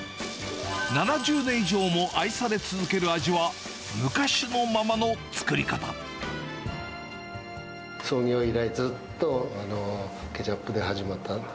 ７０年以上も愛され続ける味は、創業以来、ずっとケチャップで始まった。